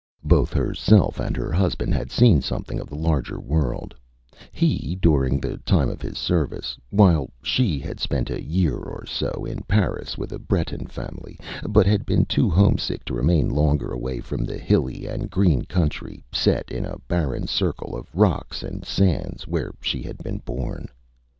Both herself and her husband had seen something of the larger world he during the time of his service; while she had spent a year or so in Paris with a Breton family; but had been too home sick to remain longer away from the hilly and green country, set in a barren circle of rocks and sands, where she had been born.